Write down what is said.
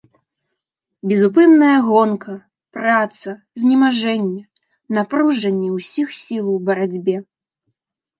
Безупынная гонка, праца, знемажэнне, напружанне ўсіх сіл у барацьбе.